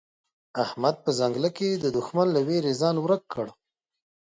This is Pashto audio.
احمد په ځنګله کې د دوښمن له وېرې ځان ورک کړ.